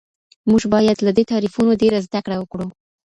موږ باید له دې تعریفونو ډېره زده کړه وکړو.